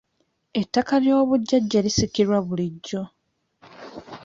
Ettaka ly'obujjaja lisikirwa bulijjo.